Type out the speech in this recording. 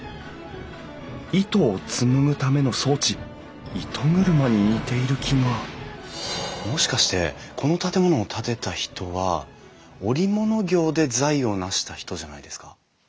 糸を紡ぐための装置糸車に似ている気がもしかしてこの建物を建てた人は織物業で財を成した人じゃないですか？